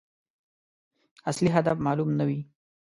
اصلي هدف معلوم نه وي.